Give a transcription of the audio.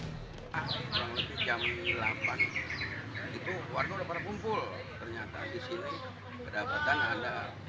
kurang lebih jam delapan itu warga sudah berkumpul